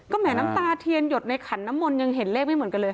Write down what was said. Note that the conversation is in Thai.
แหมน้ำตาเทียนหยดในขันน้ำมนต์ยังเห็นเลขไม่เหมือนกันเลย